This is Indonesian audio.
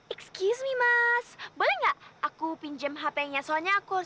excuse me mas boleh gak aku pinjam hpnya soalnya aku harus